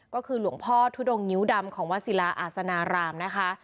ก็คือหลวงพ่อทุดงงิ้วดำของวัดศิลาอาสนารามนะคะ